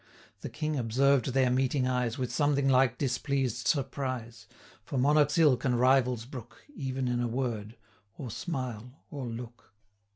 The King observed their meeting eyes, With something like displeased surprise; 375 For monarchs ill can rivals brook, Even in a word, or smile, or look.